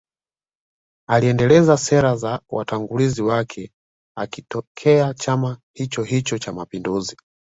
Aliendeleza sera za watangulizi wake akitokea chama hichohicho cha mapinduzi